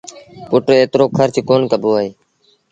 پُٽ ايترو کرچ ڪونا ڪبو اهي۔